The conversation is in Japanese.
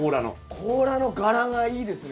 甲羅の柄がいいですね